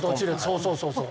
そうそうそうそう。